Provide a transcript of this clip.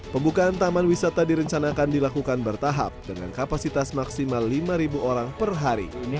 pembukaan taman wisata direncanakan dilakukan bertahap dengan kapasitas maksimal lima orang per hari